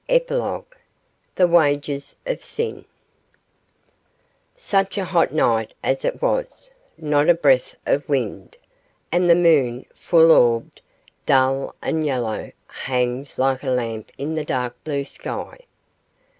EPILOGUE THE WAGES OF SIN Such a hot night as it was not a breath of wind, and the moon, full orbed, dull and yellow, hangs like a lamp in the dark blue sky.